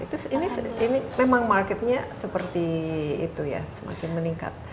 terus ini memang marketnya seperti itu ya semakin meningkat